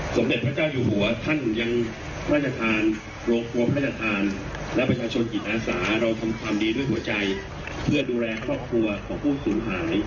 สมเด็จพระเจ้าอยู่หัวท่านยังพระราชทานโรงครัวพระราชทานและประชาชนจิตอาสาเราทำความดีด้วยหัวใจเพื่อดูแลครอบครัวของผู้สูญหาย